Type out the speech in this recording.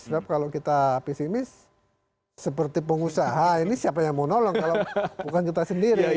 sebab kalau kita pesimis seperti pengusaha ini siapa yang mau nolong kalau bukan kita sendiri